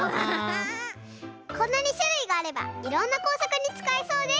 こんなにしゅるいがあればいろんなこうさくにつかえそうです！